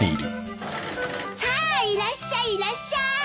さあいらっしゃいいらっしゃい！